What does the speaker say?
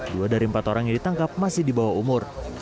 dua dari empat orang yang ditangkap masih di bawah umur